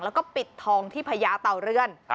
แล้วก็ปิดทองที่พญาเตาเรือน